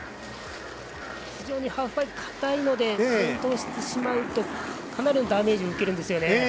非常にハーフパイプかたいので転倒してしまうとかなりのダメージを受けるんですよね。